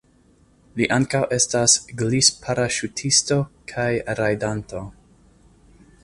Li ankaŭ estas glisparaŝutisto kaj rajdanto.